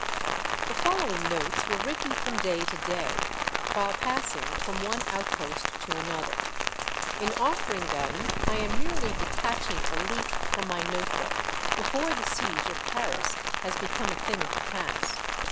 The following notes were written from day to day, while passing from one outpost to another. In offering them, I am merely detaching a leaf from my note book, before the Siege of Paris has become a thing of the past.